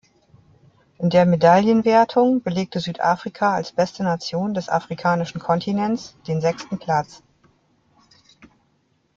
In der Medaillenwertung belegte Südafrika als beste Nation des afrikanischen Kontinents den sechsten Platz.